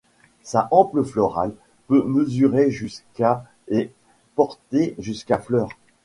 Sa hampe florale peut mesurer jusqu'à et porter jusqu'à fleurs.